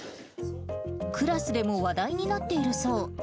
クラスでも話題になっているそう。